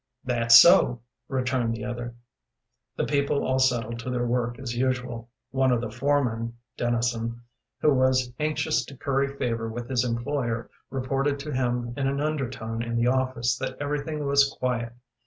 "That's so," returned the other. The people all settled to their work as usual. One of the foremen (Dennison), who was anxious to curry favor with his employer, reported to him in an undertone in the office that everything was quiet.